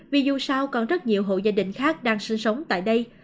vì dù sao còn rất nhiều hộ gia đình khác đang sinh sống tại đây